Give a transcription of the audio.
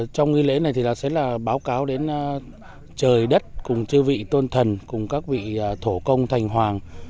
với ý nghĩa là trời đất cùng chư vị tôn thần cùng các vị thổ công thành hoàng